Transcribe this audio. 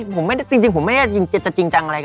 ดิวทำไมไม่ไปเรียนเกี่ยวกับเรื่องอาหารกันเลยอ่ะ